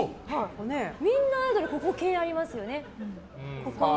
みんなアイドルここに毛がありますよね。